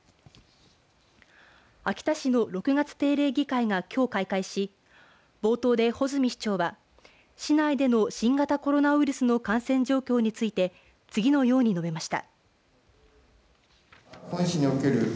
秋田市の６月定例議会がきょう開会し冒頭で穂積市長は市内での新型コロナウイルスの感染状況について次のように述べました。